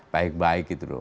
baik baik gitu loh